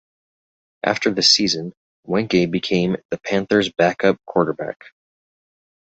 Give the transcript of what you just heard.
After the season, Weinke became the Panthers backup quarterback.